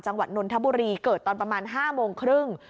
นนทบุรีเกิดตอนประมาณ๕โมงครึ่ง